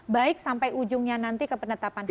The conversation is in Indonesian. baik sampai ujungnya nanti ke penetapan dp